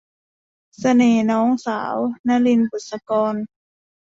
เสน่ห์น้องสาว - นลิน บุษกร